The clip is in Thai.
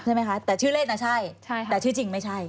ใช่ไหมคะแต่ชื่อเล่นน่ะใช่แต่ชื่อจริงไม่ใช่